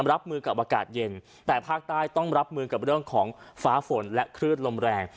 รับมือกับอากาศเย็นแต่ภาคใต้ต้องรับมือกับเรื่องของฟ้าฝนและคลื่นลมแรง